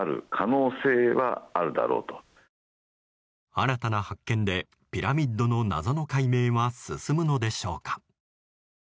新たな発見でピラミッドの謎の解明は進むのでしょうか。